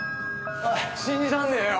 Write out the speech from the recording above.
おい信じらんねえよ。